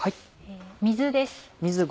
水です。